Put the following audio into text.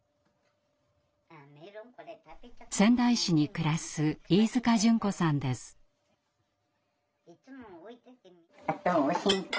仙台市に暮らすあとおしんこ